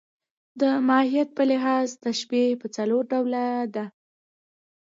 د ماهیت په لحاظ تشبیه پر څلور ډوله ده.